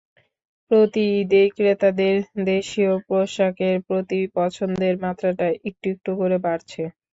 প্রতি ঈদেই ক্রেতাদের দেশীয় পোশাকের প্রতি পছন্দের মাত্রাটা একটু একটু করে বাড়ছে।